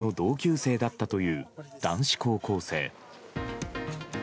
娘の中学時代の同級生だったという男子高校生。